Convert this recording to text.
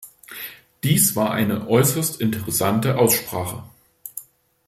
Dies war eine äußerst interessante Aussprache.